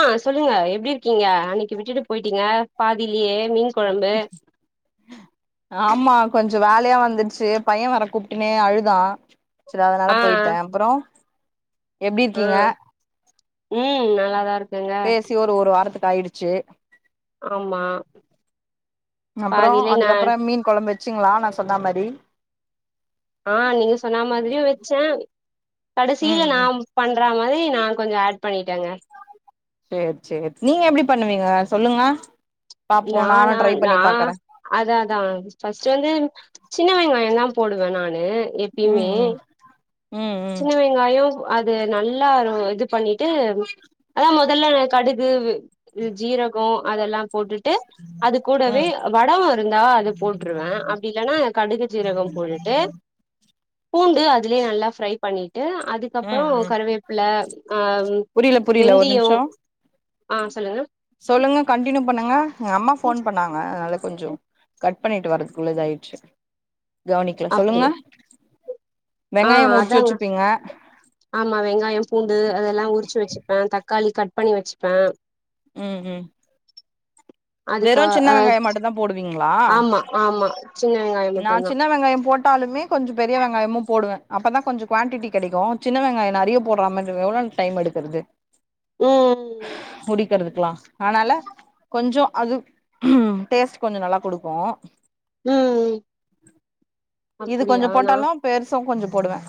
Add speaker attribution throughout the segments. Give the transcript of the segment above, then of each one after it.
Speaker 1: ஆஹ் சொல்லுங்க எப் பிடி இருக்கீங்க அன்னைக்கு விட்டுட்டு போயிட்டீங்க பாதிலயே மீன் கொழம்பு
Speaker 2: ஆமா கொஞ்ச வேலையா வந்துருச்சு பைய வேர கூப்பிட்டனே அழுதா சரி அதனால
Speaker 1: ஆ
Speaker 2: போயிட்டே அப்புற எப்டி இருக்கீங்க
Speaker 1: உம் நல்லா
Speaker 2: பேசி ஒரு ஒரு வாரத்துக்கு ஆயிடுச்சு.
Speaker 1: ஆமா
Speaker 2: அப்புற
Speaker 1: பாதிலே நா
Speaker 2: அதுக்கப்புற மீன் கொழம்பு வச் வந்துச்சுங்களா நா சொன்னா மாரி
Speaker 1: ஆஹ் நீங்க சொன்ன மாதிரியு வச்சே
Speaker 2: ம்
Speaker 1: கடைசியில நா
Speaker 2: ம்
Speaker 1: பண்ற மாதிரி நா கொஞ்ச ஆட் பண்ணிட்டங்க
Speaker 2: சரி சரி நீங்க எப்படி பண்ணுவீங்க சொல்லுங்க பாப்போ நானு
Speaker 1: நானா
Speaker 2: ட்ரை
Speaker 1: நா
Speaker 2: பண்ணி பாக்குறே
Speaker 1: அதா அதா ஃபஸ்ட் வந்து சின்ன வெங்காயந்தா போடுவே நானு
Speaker 2: ம்
Speaker 1: எப்பயுமே
Speaker 2: ம் ம் ம்
Speaker 1: சின்ன வெங்காயம் அது நல்லா இது பண்ணிட்டு அதா முதல்ல கடுகு ஜீரக அதெல்லாம் போட்டுட்டு அது கூடவே
Speaker 2: ம்
Speaker 1: வடவ இருந்தா அது போட்டுருவே அப்டி இல்லனா கடுகு ஜீரகம் போட்டுட்டு பூண்டு அதுலே நல்ல ஃப்ரை பண்ணி விட்டு
Speaker 2: ம்
Speaker 1: அதுக்கப்புறம்
Speaker 2: ம்
Speaker 1: கருவேப்பில ஆ
Speaker 2: புரியல புரியல ஒரு
Speaker 1: வெந்தியோ
Speaker 2: நிமிஷம்
Speaker 1: ஆ சொல்லுங்க
Speaker 2: சொல்லுங்க கண்ட்டுனியூ பண்ணுங்க அம்மா ஃபோன் பண்ணாங்க அதனா கொஞ்சோ கட் பண்ணிட்டு வராதுக்குள்ள இது ஆயிச்சு கவனிக்கல
Speaker 1: அப்டியே
Speaker 2: சொல்லுங்க
Speaker 1: ஆ
Speaker 2: வெங்காயம் உரிச்சு
Speaker 1: அதாங்க
Speaker 2: வச்சுப்பீங்க
Speaker 1: ஆமா வெங்காயம் பூண்டு அதெல்லாம் உரிச்சு வச்சுப்பேன் தக்காளி க பண்ணி வச்சுப்பே
Speaker 2: ம் ம்
Speaker 1: அதுக்கு
Speaker 2: வெறும் சின்ன
Speaker 1: அ
Speaker 2: வெங்காயம் மட்டும்தா போடுவீங்களா
Speaker 1: ஆமா ஆமா சின்ன வெங்காயோ
Speaker 2: நான்
Speaker 1: மட்டுந்தா
Speaker 2: சின்ன வெங்காயம் போட்டாலுமே கொஞ்சோ பெரிய வெங்காயமு போடுவே அப்பதான் கொஞ்சோ குவான்டிடி கிடைக்கூ சின்ன வெங்காயம் நெறைய போடுற மாறி எவ்ளோ டைம் எடுக்கறது
Speaker 1: ம்
Speaker 2: இருக்கிறதுக்கலா ஆனால கொஞ்சோ அது ம் டேஸ்ட் கொஞ்சோ நல்லா குடுக்கூ
Speaker 1: ம்
Speaker 2: இது கொஞ்சோ
Speaker 1: அப்டியா நா
Speaker 2: போட்டாலும் பெருசும் கொஞ்சோ போடுவே [inaudible]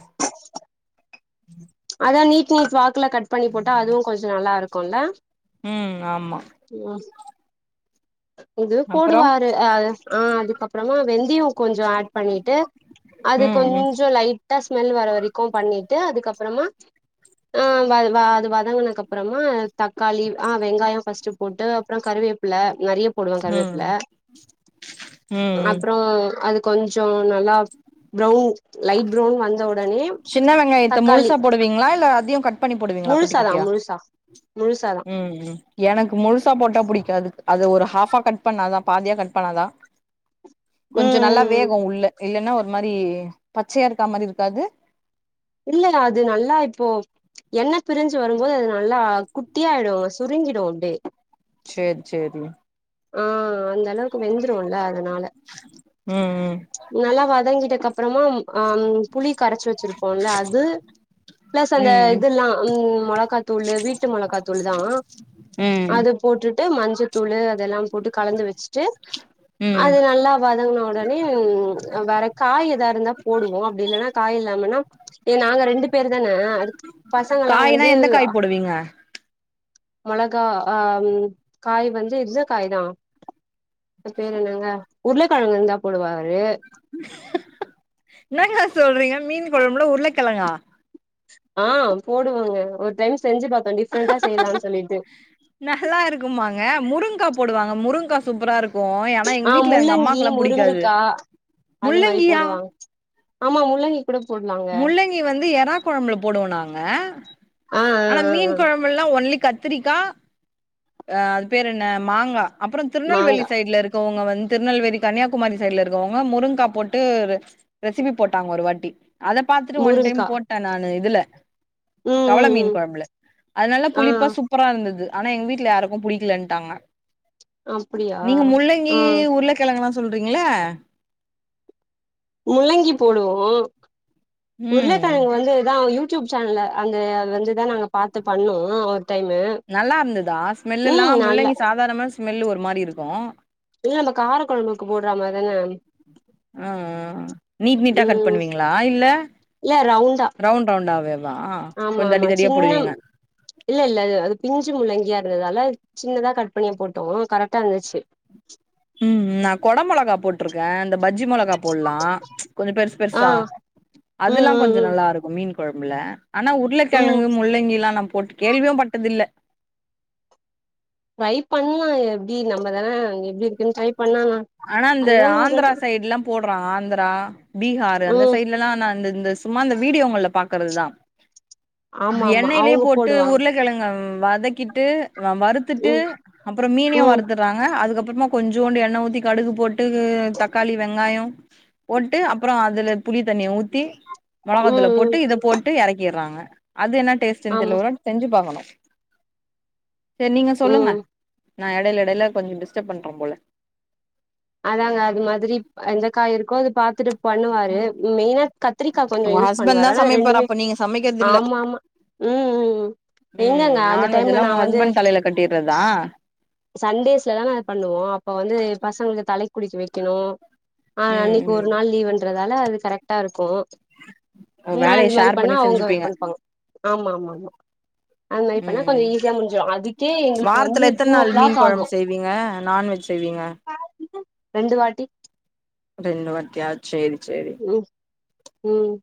Speaker 1: அத நீ் நீட் வா கட் பண்ணி போட்ட அதுவு கொஞ்சோ நல்லா இருக்கூ க்கொல்ல
Speaker 2: ம் ஆமா
Speaker 1: இது
Speaker 2: அப்றோ
Speaker 1: போடுவாரு ஆ அதுக்கப்பறமா வெந்தயம் கொஞ்சோ ஆட் பண்ணிட்டு அது
Speaker 2: ம் ம்
Speaker 1: கொஞ்சோ லைட் ட்ட ஸ்மெல் வர வரைக்கூ பண்ணிட்டு அதுக்கப்பறமா ஹ வ அது வதங்கனதுக்கு அப்பறமா தக்காளி ஆஹ் வெங்காயம் ஃபர்ஸ்ட்டு போட்டு அப்பறோ கருவேப்பில நறைய போடுவே
Speaker 2: ம்
Speaker 1: கருவேப்ல
Speaker 2: ம் ம்
Speaker 1: அப்றோ அது கொஞ்சோ நல்லா புரவுன் லைட் பரவோன் வந்தவுட
Speaker 2: சின்ன வெங்காயத்த முழுசா போடுவீங்ளா இல்ல அதையு கட் பண்ணி போடுவீங்ளா குட்டி
Speaker 1: முழுசாதா
Speaker 2: குட்டியா
Speaker 1: முழுசா முழுசாதா
Speaker 2: ம் ம் எனக்கு முழுசா போட்டா புடிக்காது அது ஒரு ஹாஃபா கட் பண்ணாதா பாதியா கட் பண்ணாதா கொஞ்சோ
Speaker 1: ம்
Speaker 2: நல்லா
Speaker 1: ம் ம்
Speaker 2: வேகோ உள்ள இல்லனா ஒரு மாரி பச்சயா இருக்கா மாரி இருக்காது
Speaker 1: இல்ல அது நல்லா இப்போ எண்ண பிரிஞ்சு வரும்போது அது நல்லா குட்டியாய்டோ சுருங்கிடோ அப்டே
Speaker 2: செர் செரி
Speaker 1: ஆ அந்த அளவுக்கு வெந்துருல அதனால
Speaker 2: ம்
Speaker 1: நல்லா வதங்கிட்ட அப்றமா அ புளி கரச்சி வச்சிருப்போ ல அது பிளஸ் அந்த
Speaker 2: ம்
Speaker 1: இதுல்லா மொளகாத்தூள் வீட்டு மொளகாத்தூள் தா
Speaker 2: ம் ம்
Speaker 1: அது போட்டுட் ட்டு மஞ்சதூள் இதெல்லா போட்டு கலந்து வெச்சுட்டு
Speaker 2: ம்
Speaker 1: அது நல்லா வதங்ன உடனே ம் வேற காய் எதா இருந்தா போடுவோ அப்டி இல்லன்னா காய் இல்லாமனா ஏ நாங்க ரெண்டு பேரு தான அடுத் பசங்கெல்லா
Speaker 2: காய்னா
Speaker 1: வந்து
Speaker 2: எந்த
Speaker 1: அ
Speaker 2: காய் போடுவீங்க
Speaker 1: மெளகா ஆ காய் ம் வந்து இந்த காய் தா பேரு என்னங்க உருளக்கெழங்கு இருந்தா போடுவாரு
Speaker 2: இன்னாங்கா சொல்றீங்க மீன் கொழம்புல உருளக்கெழங்கா
Speaker 1: ஆ போடுவாங்க ஒரு டைம் செஞ்சு பாத்தோ டிஃப்ரெண்டா செய்யலான்னு சொல்லிட்டு
Speaker 2: நல்லா இருக்குமாங்க முருங்கா போடுவாங் முருங்கா சூப்பரா இருக் இப்போ ஏனா எங்க
Speaker 1: ஆ
Speaker 2: வீட்ல எங்க
Speaker 1: முள்ளங்கி
Speaker 2: அம்மாக்குலா புடிக்காது
Speaker 1: முருங்குக்கா அது மாரி
Speaker 2: முள்ளங்கியா
Speaker 1: போடுவாங்க ஆமா முள்ளங்கி கூட போடலாங்க
Speaker 2: முள்ளங்கி வந்து எற கொழம்புல போடுவோ நாங்க
Speaker 1: ஆ ஆ
Speaker 2: ஆனா
Speaker 1: ஆ ஆ
Speaker 2: மீன் கொழம்புல்லா ஒன்லி கத் திரிக்கா அது பேர் என்ன மாங்கா அப்பறோ திருநெல்வேலி
Speaker 1: மாங்கா
Speaker 2: சைட்ல இருக்கவோங்க வந்து திருநெல்வேலி கன்னியாகுமரி சைட்ல இருக்கவோங்க முருங்கா போட்டு ரெ ரெசிபி போட்டாங் ஒரு வாட்டி அத பாத்துட்டு ஒன் டைம்
Speaker 1: முருங்கா
Speaker 2: போட்டே நானு இதுல
Speaker 1: ம் ம் ம்
Speaker 2: கொழும்புல அதனால
Speaker 1: ஆ
Speaker 2: புளிப்பா சூப்பரா இருந் துது ஆனா எங் வீட்ல யாருக்கு புடிகலென்டாங்க
Speaker 1: அப்டியா
Speaker 2: நீங்க முள்ளங்கி
Speaker 1: ஆ
Speaker 2: உருள கெழங்குலா சொல்றீங்கல
Speaker 1: முள்ளங்கி போடுவோ
Speaker 2: ம்
Speaker 1: உருளக்கெழங்கு வந்துதா யூ டுயூப் சேனல்ல அ [unintelligible] அது வந்துதா நாங்க பாத்து பண்ணோ டைமு
Speaker 2: நல்லா இருந்துதா ஸ்மெல்லெல்லா
Speaker 1: ம் நல்லா
Speaker 2: முள்ளங்கி சாதாரணமா ஸ்மெல்லு ஒரு மாரி இரு க்கு
Speaker 1: இல்ல நம்ம கார கொழம்புக்கு போடுறா மார் தான
Speaker 2: அ நீட் நீட்டா கட்
Speaker 1: ம்
Speaker 2: பண்ணுவீங்ளா இல்ல
Speaker 1: இல்ல ரவுண்டா
Speaker 2: ரவுண் ரண்வுடாவே
Speaker 1: ஆமா ஆமா சின்னம் இல்ல இல்ல அது பிஞ்சு முள்ளங்கியா இருந்ததால சின்னதா கட் பண்ணியு போட்டோ கரெக்டா இந்துச்சு
Speaker 2: உம் நா கொட மொளகா போட்ருக்கே இந்த பஜ்ஜி மொளகா போல்லா ப்ச் கொஞ்சொ பெருசு
Speaker 1: ஆ
Speaker 2: பெருசா
Speaker 1: ம்
Speaker 2: அதெல்லா கொஞ்சொ
Speaker 1: ம்
Speaker 2: நல்லாருக்கு மீன் கொழம்புல ஆனா
Speaker 1: ம் ம்
Speaker 2: உருளக்கெழங்கு முள்ளங்கில்லா நா போட்டு கேள்வியும் பட்டதில்ல
Speaker 1: ட்ரை பண்ணலாம் எப்டி நம்மதான எப்டி இருக்குன்னு ட்ரை பண்ணலா
Speaker 2: ஆனா இந்த
Speaker 1: அதுதா ஒரு
Speaker 2: ஆந்திரா
Speaker 1: வாட்டி
Speaker 2: சைடுல்லாம் போட் அப்புறம் ஆந்திரா பீஹார் அந்த
Speaker 1: ம்
Speaker 2: சைட்ல எல்லா நான் இந்த இந்த சும்மா அந்த வீடியோங்கள்ல பாக்கறதுதான்
Speaker 1: ஆமா ஆமா
Speaker 2: எண்ணைலியே
Speaker 1: அவுங்க
Speaker 2: போட்டு
Speaker 1: போடுவாங்க
Speaker 2: உருள கிழங்க ம் வதக்கிட்டு வ வறுத்துட்டு
Speaker 1: ம்
Speaker 2: அப்புறொம் மீனையும்
Speaker 1: ம்
Speaker 2: வறுத்துடுறாங்க அதுக்கப் அப்புறமா கொஞ்சோண்டு எண்ண ஊத்தி கடுகு போட் டு தக்காளி வெங்காயம் போட்டு அப்புறொ அதுல புளி தண்ணிய ஊத்தி மொளகாத் தூள
Speaker 1: ம்
Speaker 2: போட்டு
Speaker 1: ம்
Speaker 2: இத போட்டு எறக் கீறாங்க அது என்ன டேஸ்ட்டுன்னு
Speaker 1: ஆமா
Speaker 2: தெரியல ஒரு வாட்டி செஞ்சு பாக்கணு சரி நீங்க சொல்லுங்க
Speaker 1: ம்
Speaker 2: நா எடையில எடையில கொஞ்ச டிஸ்டர்ப் பண்றே போல
Speaker 1: அதாங்க அது மாதிரி எந்த காய் இருக்கோ அது பாத்துட்டு பண்ணுவாரு மெய்னா கத்திரிக்கா கொஞ்ச
Speaker 2: உங்க
Speaker 1: யூஸ்
Speaker 2: ஹஸ்பண்ட்
Speaker 1: பண்ணுவாரு
Speaker 2: தா
Speaker 1: ஆனா
Speaker 2: சமைப்பாரு
Speaker 1: ரெண்டுமே
Speaker 2: அப்ப நீங்க சமைக்கிறது இல்ல
Speaker 1: ஆமா ஆமா ம் ம்
Speaker 2: ம்
Speaker 1: எங்கங்க அந்த
Speaker 2: நான்வெஜ்
Speaker 1: டைம்ல
Speaker 2: எல்லா
Speaker 1: நா
Speaker 2: உங்க
Speaker 1: வந்து
Speaker 2: ஹஸ்பண்ட் தலையில கட்டிர்றதா
Speaker 1: சண்டேஸ்ல தான அது பண்ணுவோ அப்ப வந்து பசங்களுக்கு தா தலைக் குளிக்க வெக்கணு ஆஹ்
Speaker 2: ம்
Speaker 1: அன்னைக்கு ஒரு
Speaker 2: ம்
Speaker 1: நாள்லீவுன் ரால அது கரெக்டா இருக்கு
Speaker 2: உங்க
Speaker 1: நா
Speaker 2: வேலைய
Speaker 1: இது மாரி
Speaker 2: ஷேர்
Speaker 1: பண்ணா
Speaker 2: பண்ணி
Speaker 1: அவுங்க அது
Speaker 2: செஞ்சுப்பீங்க
Speaker 1: பண்ணுப்பாங்க ஆமா ஆமா ஆமா மாரி பண்ணா கொஞ்ச
Speaker 2: ம்
Speaker 1: ஈஸியா முடிஞ்சிடும் அதுக்கே எங்களுக்கு வந்து
Speaker 2: வாரத்துல
Speaker 1: டூ ஓ
Speaker 2: நாள் மீன்
Speaker 1: கிளாக் ஆகு
Speaker 2: கொழம்பு செய்வீங்க நான்வெஜ் செய்வீங்க
Speaker 1: ரெண்டு வாட்டி
Speaker 2: ரெண்டு வாட்டியா சேரி சேரி
Speaker 1: ம் ம்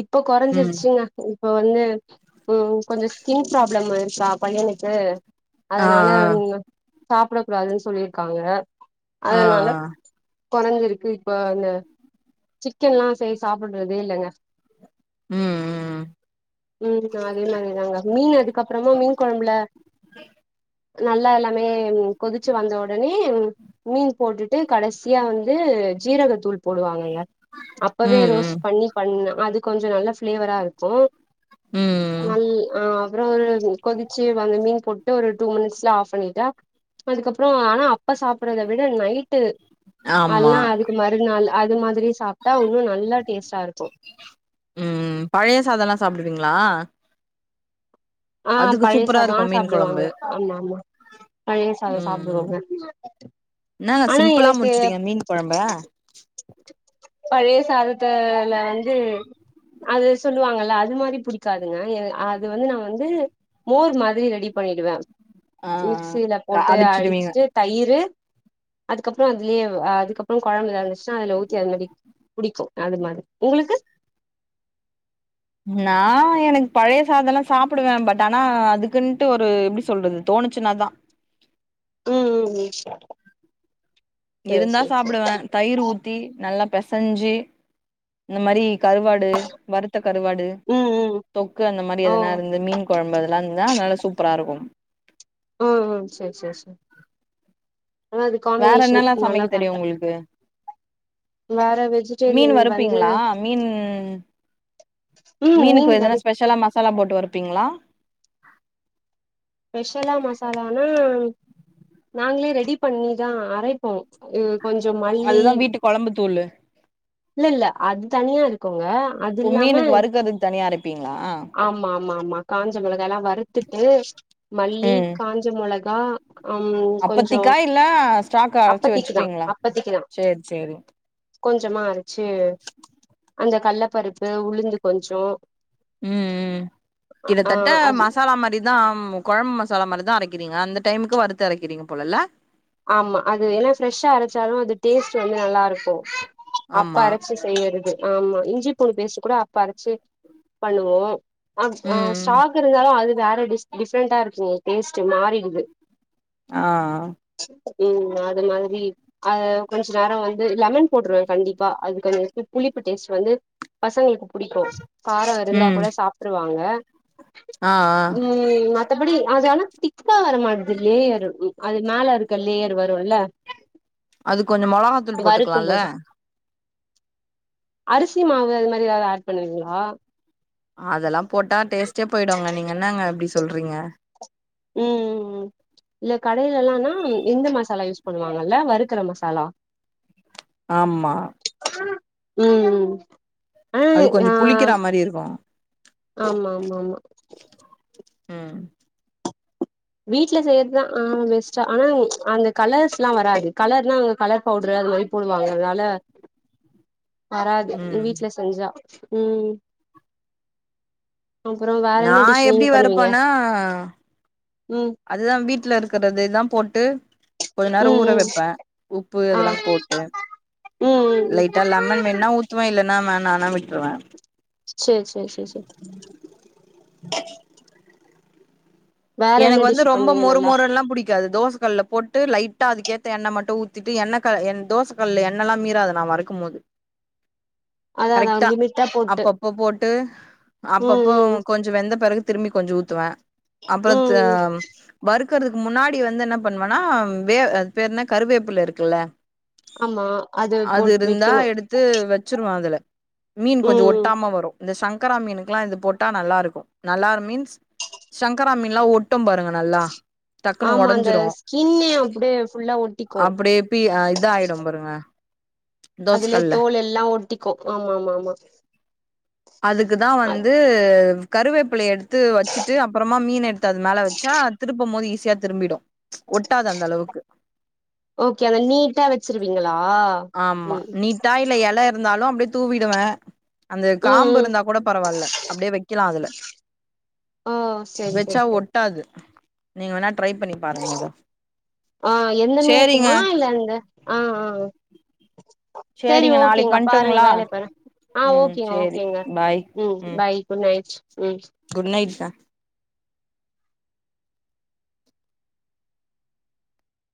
Speaker 1: இப்போ
Speaker 2: ம்
Speaker 1: குறஞ்சிருச்சுங்க வந்து ம் கொஞ்ச ஸ்கின் ப்ராப்ளம் இருக்கா பையனுக்கு
Speaker 2: ஆ
Speaker 1: அதனால
Speaker 2: ஆ
Speaker 1: சாப்ட கூடாதுன்னு சொல்லியிருக்காங்க
Speaker 2: ஆ ஆ
Speaker 1: கொறஞ்சிருக்கு இப்ப அந்த சிக்கன்ல்லா செய்சி சாப்டுறதே இல்லங்க
Speaker 2: ம் ம்
Speaker 1: ம் அதே மாரிதாங்க மீன் அதுக்கப்பறமா மீன் கொழம்புல நல்லா எல்லாமே கொதிச்சு வந்த உடனே மீன் போட்டுட்டு கடைசியா வந்து ஜீரகத்தூள் போடுவாங்க அப்பவே ரோஸ்
Speaker 2: ம்
Speaker 1: பண்ணி பண்ண அது கொஞ்ச நல்ல ஃபிளேவரா இருக்கு
Speaker 2: ம் ம்
Speaker 1: நல் ஆ அப்புறம் கொதிச்சு அந்த மீன் போட்டு ஒரு டூ மினிட்ஸ்ல ஆஃப் பண்ணிட்டா அதுக்கப்பறம் ஆனா அப்ப சாப்படுறத விட நைட்டு
Speaker 2: ஆமா
Speaker 1: அல்லாம் அதுக்கு மறுநாள் அது மாதி சாப்ட்டா உன்னு நல்லா டேஸா இருக்கு
Speaker 2: ம் ம் பழைய சாத எல்லா சாப்டுவீங்களா
Speaker 1: ஆ
Speaker 2: அதுக்கு சூப்பரா இருக்கு
Speaker 1: பழயசாதம்
Speaker 2: மீன் கொழம்பு
Speaker 1: சாப்டுவாங்க ஆமா ஆமா பழைய சாதம்
Speaker 2: ம் ம்
Speaker 1: சாப்டுவாங்க
Speaker 2: என்னங்க
Speaker 1: ஆனா
Speaker 2: சிம்பிளா
Speaker 1: எனக்கு
Speaker 2: முடிச்சுட்டீங்க மீன் கொழம்ப
Speaker 1: பழைய சாதத்தல வந்து அது சொல்லுவாங்கல்ல அது மாரி புடிக்காதுங்க அது வந்து நான் வந்து மோர் மாதிரி ரெடி பண்ணிடுவேன்.
Speaker 2: ஆ
Speaker 1: மிக்சில
Speaker 2: ஆ
Speaker 1: போட்டு
Speaker 2: அடிச்சிடுவீங்க
Speaker 1: அடிச்சிட்டு தயிரு அதுக்கப்பறம் அதுலயே அதுக்கப்பறம் கொழம்புல இருந்துச்சுன்னா அதுல ஊ ாடி [unintelligible] பிடிக்கும் அந்த மாரி உங்களுக்கு
Speaker 2: நான் எனக்கு பழைய சாதம் எல்லாம் சாப்பிடுவேன் பட் ஆனா அதுக்குன்ட்டு ஒரு எப்படி சொல்றது தோணுச்சுன்னாதான்
Speaker 1: உம் உம் உம்
Speaker 2: இருந்தா சாப்பிடுவேன் தயிர் ஊத்தி நல்லா பெசஞ்சு இந்த மாரி கருவாடு வறுத்த கருவாடு
Speaker 1: ம் ம்
Speaker 2: தொக்கு அந்த மாரி
Speaker 1: ஓ
Speaker 2: எதினா இருந்தா மீன் கொழம்பு இதெல்லா இருந்தா நல்ல சூப்பரா இருக்கும்
Speaker 1: ம் ம் சேரி சேரி சேரி ஆனா அது
Speaker 2: வேற
Speaker 1: காம்பினேஷன்
Speaker 2: என்னாலா
Speaker 1: நல்லா
Speaker 2: சமைக்க தெரியு
Speaker 1: கரெக்டா
Speaker 2: உங்களுக்கு
Speaker 1: வேற
Speaker 2: மீன்
Speaker 1: வெஜிடேரியன் வந்து
Speaker 2: வறுப்பீங்களா மீன்
Speaker 1: ம் மீன்
Speaker 2: மீனுக்கு
Speaker 1: கறி
Speaker 2: எதுனா ஸ்பெஷலா மசாலா போட்டு வறுப் பீங்களா
Speaker 1: ஸ்பெஷலா மசாலானா நாங்களே ரெடி பண்ணிதா அரைப்போ உ
Speaker 2: அதுதா வீட்டு கொழம்புத் தூளு
Speaker 1: இல்ல இல்ல அது தனியா இருக்கோங்க அது
Speaker 2: ஓ
Speaker 1: இல்லாம
Speaker 2: மீனுக்கு வறுக்கறதுக்கு தனியா அரைப்பீங்களா
Speaker 1: ஆமா ஆமா ஆமா காஞ்ச மெளகாலா வறுத்துட்டு மல்லி
Speaker 2: ம்
Speaker 1: காஞ்ச மொ ளகா
Speaker 2: அப்பத்திக்கா இல்ல ஸ்டாக்கா அரச்சு
Speaker 1: அப்பத்திக்குதா
Speaker 2: வச்சுப்பீங்களா
Speaker 1: அப்பத்திக்குதா
Speaker 2: செரி செரி
Speaker 1: கொஞ்சமா அர ச்சு அந்த கள்ளப்பருப்பு உளுந்து கொஞ்சோ
Speaker 2: உம் உம்
Speaker 1: ஆ
Speaker 2: கிட்டத்தட்ட
Speaker 1: அது
Speaker 2: மசாலா மாரிதா ஆ மு கொழம்ப மசாலா மாரிதா அரைக்கிறீங்க அந்த டைம்க்கு வறுத்து அரைக்கிறீங்க போலல்ல
Speaker 1: ஆமா அது என்னா ஃப்ரெஷ்ஷா அரச்சாலு அது டேஸ்ட் வந்து நல்லா இருக்கு அப்பா
Speaker 2: ஆமா
Speaker 1: அரச்சு செய்யறது ஆமா இஞ்சி பூண்டு பேஸ்ட் கூட அப்ப அரச்சு பண்ணுவோ அ ஆ
Speaker 2: ம்
Speaker 1: ஸ்டாக் இருந்தாலு அது வேறடி டிஃப்ரெண்டா இருக்குங்க டேஸ்ட்டு மாறிடுது
Speaker 2: ஆஹ்
Speaker 1: உஹ்ம் அது மாரி அது கொஞ்ச நேர வந்து லெமன் போட்டுருவே கண்டிப்பா அதுக்கு அதுருக்க புளிப்பு டேஸ்ட் வந்து பசங்களுக்கு புடிக்கு கார இருந்தா
Speaker 2: ம்
Speaker 1: கூட சாப்பிடுவாங்க
Speaker 2: ஆ ஆ
Speaker 1: உம் மத் மத்தபடி அது ஆன திக்கா வரமாட்து லேயர் அது மேல ருக்க லேயர் வருல்ல
Speaker 2: அதுக் கொஞ்சோ மொளகாத்தூள்
Speaker 1: வறுக்கும்
Speaker 2: போட்டுக்கலால்ல
Speaker 1: போது அரிசி மாவு அது மாரி ஏதாவது ஆட் பண்ணுவீங்களா
Speaker 2: அதெல்லாம் போட்டா டேஸ்டே போயுடுங்க நீங்க என்னங்க அப்டிச் சொல்றீங்க
Speaker 1: உம் உம் உம். இல்ல கடையில எல்லானா இந்த மசாலா யூஸ் பண்ணுவாங்கல்ல வறுக்கற மசாலா
Speaker 2: ஆமா
Speaker 1: உம் உம்
Speaker 2: அது
Speaker 1: ஆஹ்
Speaker 2: கொஞ்சோ புளிக்கிற
Speaker 1: யாஹ்
Speaker 2: மாரி இருக்கு
Speaker 1: ஆமா ஆமா ஆமா
Speaker 2: ஆஹ்
Speaker 1: வீட்ல செய்யறதுதான் ஆஹ் பெஸ்டா ஆனா அந்த கலர்ஸ்லாம் வராது கலர்னா அங்க கலர் பவுட்ரு அது மாரி போடுவாங்க அதனால வராது நீ
Speaker 2: ம்
Speaker 1: வீட்டுல செஞ்சா உம்
Speaker 2: நான் எப்டி வறுப்போனா
Speaker 1: ம்
Speaker 2: அதுதான் வீட்டுல இருக்கிறதேதான் போட் டு கொஞ்ச நேரம்
Speaker 1: ம்
Speaker 2: ஊற
Speaker 1: ம்
Speaker 2: வெப்பேன். உப்பு
Speaker 1: ஆ
Speaker 2: இதெல்லாம் போட்டு
Speaker 1: ம் ம் ம்
Speaker 2: லைட்டா லெமன் வேனுனா ஊத்துவேன் இல்ல நானா நானா விட்டுருவேன்
Speaker 1: செரி செரி செரி செ
Speaker 2: எனக்கு வந்து ரொம்ப
Speaker 1: பண்ணுவீங்க
Speaker 2: மொறு
Speaker 1: நல்லா
Speaker 2: மொறுல்லா புடிக்காது தோச கல்லுல போட்டு லைட்டா அதுக்கேத் த எண்ணெ மட்டு ஊத்திட்டு எண்ண க எண் தோச கல்ல எண்ணெல்லா மீறாது நா வறுக்கு மோது
Speaker 1: அதா அதா
Speaker 2: கரெக்டா
Speaker 1: லிமிட்டா போட்டு
Speaker 2: அப்பப்போ போட்டு
Speaker 1: ம்
Speaker 2: அப்பப்போ
Speaker 1: ம்
Speaker 2: கொஞ்சோ வெந்த பிறகு திரும்பி கொஞ்சோ ஊத்துவே
Speaker 1: ம்
Speaker 2: அப்பளத்த
Speaker 1: ம்
Speaker 2: வறுத் குறதுக்கு முன்னாடி வந்து என்ன பண்ணுவேனா வே அது பெருன்னா கருவேப்புல்ல இருக்குல்ல
Speaker 1: ஆமா
Speaker 2: அது
Speaker 1: போட்
Speaker 2: இருந்தா
Speaker 1: வெக்கணு
Speaker 2: எடுத்து வச்சருவோ அதுல மீன் கொஞ்சோ
Speaker 1: ம் ம்
Speaker 2: ஒட்டாம வரு இந்த சங்கரா மீனுக்குல்லா இது போட்டா நல்லா இருக்கு நல்லாரு மீன்ஸ் சங் க்கராமீன்னுல்லா ஒட் டு பாருங்க நல்லா டக்குன்னு
Speaker 1: ஆமா அந்த
Speaker 2: ஓடஞ்சிரும்.
Speaker 1: ஸ்கின்னே அப்டியே ஃபுல்லா ஒட்டிக்கு
Speaker 2: அப்டியே [unintelligible] இதா ஆயிடும் பாருங்க
Speaker 1: அதுலியே
Speaker 2: தோசக்கல்ல
Speaker 1: தோல் எல்லா ஒட்டிக்கு ஆமா ஆமா ஆமா
Speaker 2: அதுக்குதா
Speaker 1: அ
Speaker 2: வந்து கருவேப்பில்லய எடுத் து வச்சுட்டு அப்றமா மீன் எடுத்த அது மேல வச்சா திருப்பமோது ஈஸ் சியா திரும்பிடும்
Speaker 1: ஓகே அத நீட்டா வச்சிருவீங்களா ம்
Speaker 2: தூவிடுவ அந்த
Speaker 1: ம்
Speaker 2: காம்பு
Speaker 1: ம்
Speaker 2: இருந்தா கூட பரவாயில்ல அப்படியே வைக்கலாம அதுல
Speaker 1: ஓ செரி செரி
Speaker 2: வெச்சா
Speaker 1: செரி
Speaker 2: ஒட்டாது நீங்கவெனா
Speaker 1: ஆ எந்த
Speaker 2: சேரிங்க
Speaker 1: மீனுக்குமா இல்ல அந்த ஆ ஆ சேரி
Speaker 2: சேரிங்க நாளைக்கு
Speaker 1: ஓகேங்க பாருங்க
Speaker 2: பண்ட்டுங்களா
Speaker 1: வேலைய பாருங்க ஆ
Speaker 2: ம்
Speaker 1: ஓகேங்க
Speaker 2: சேரி
Speaker 1: ஓகேங்க
Speaker 2: பாய்
Speaker 1: ம் பாய் குட் நைட் ம்
Speaker 2: குட் நைட் சா